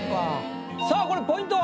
さあこれポイントは？